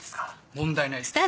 問題ないです。